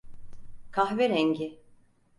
Kahverengi.